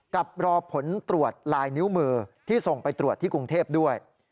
กับรอผลตรวจลายนิ้วมือที่ส่งไปตรวจที่กรุงเทพด้วย